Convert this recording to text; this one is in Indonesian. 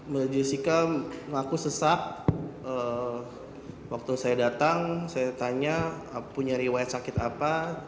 menjelaskan laku sesak waktu saya datang saya tanya punya riwayat sakit apa apa